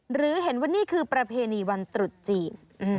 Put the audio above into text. หรือเห็นว่านี่คือประเพณีวันตรุษจีน